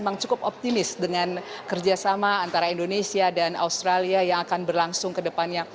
memang cukup optimis dengan kerjasama antara indonesia dan australia yang akan berlangsung kedepannya